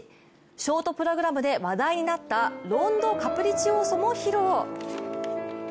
ショートプログラムで話題になった「ロンド・カプリチオーソ」も披露。